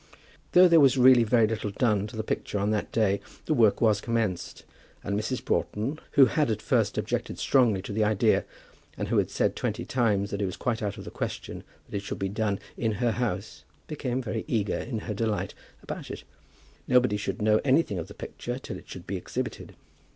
Though there was really very little done to the picture on that day, the work was commenced; and Mrs. Broughton, who had at first objected strongly to the idea, and who had said twenty times that it was quite out of the question that it should be done in her house, became very eager in her delight about it. Nobody should know anything of the picture till it should be exhibited.